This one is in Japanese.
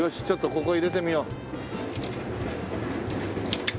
ちょっとここ入れてみよう。